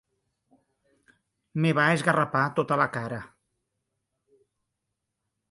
Em va esgarrapar tota la cara.